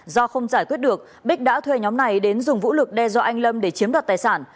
do không giải quyết được bích đã thuê nhóm này đến dùng vũ lực đe dọa anh lâm để chiếm đoạt tài sản